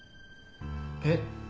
えっ？